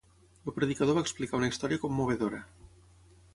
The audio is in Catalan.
El predicador va explicar una història commovedora.